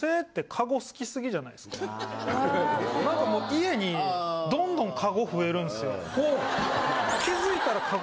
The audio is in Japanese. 家にどんどんカゴ増えるんすよ。